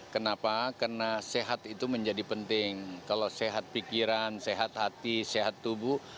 kenapa karena sehat itu menjadi penting kalau sehat pikiran sehat hati sehat tubuh